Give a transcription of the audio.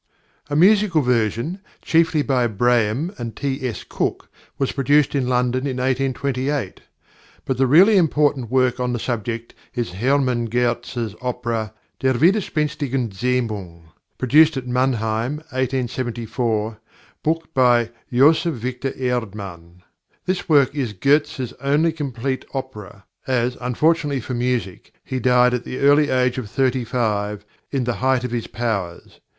A musical version, chiefly by +Braham+ and +T. S. Cooke+, was produced in London in 1828. But the really important work on the subject is +Hermann Goetz's+ opera, Der Widerspenstigen Zähmung, produced at Mannheim, 1874, book by Joseph Victor Erdmann. This work is Goetz's only complete opera, as, unfortunately for music, he died at the early age of thirty five, in the height of his powers.